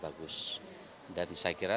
bagus dan saya kira